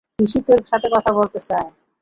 হিশি তোর সাথে কথা বলতে চায়।